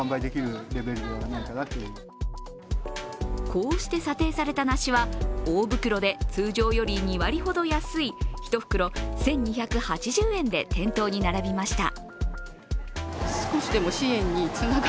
こうして査定された梨は大袋で通常より２割ほど安い１袋１２８０円で店頭に並びました。